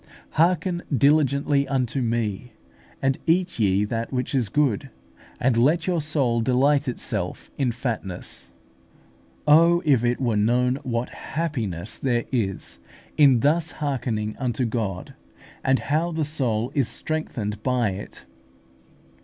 Hearken diligently unto me, and eat ye that which is good, and let your soul delight itself in fatness" (Isa. lv. 2). Oh, if it were known what happiness there is in thus hearkening unto God, and how the soul is strengthened by it!